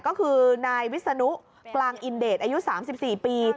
ก็คือนายวิศนุกลางอินเดชอายุ๓๔ปี